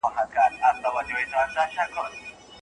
زما پر شهادت ملا ده دا فتواء ورکړې